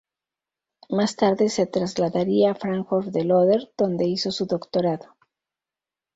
Más tarde se trasladaría a Fráncfort del Óder, donde hizo su doctorado.